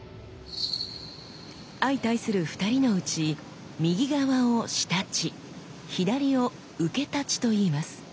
相対する２人のうち右側を仕太刀左を受太刀といいます。